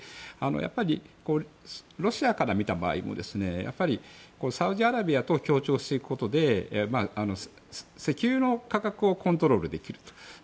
やっぱり、ロシアから見た場合もサウジアラビアと協調していくことで石油の価格をコントロールできると。